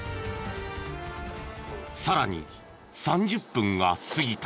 さらに３０分が過ぎた。